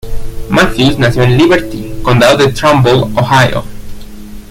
Matthews nació en Liberty, Condado de Trumbull, Ohio.